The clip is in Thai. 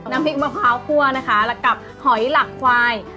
น้ำพริกมะพร้าวคั่วนะคะกับหอยหลักควาย